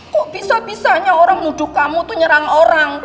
kok bisa bisanya orang muduk kamu tuh nyerang orang